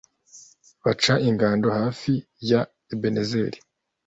baca ingando hafi ya ebenezeri